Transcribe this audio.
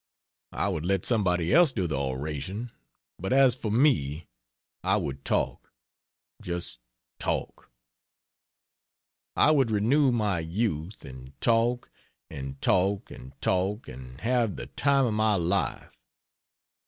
I would let somebody else do the oration, but, as for me, I would talk just talk. I would renew my youth; and talk and talk and talk and have the time of my life!